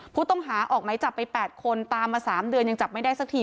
ผู้ต้องหาออกไหมจับไป๘คนตามมา๓เดือนยังจับไม่ได้สักที